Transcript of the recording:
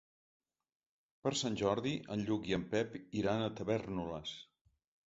Per Sant Jordi en Lluc i en Pep iran a Tavèrnoles.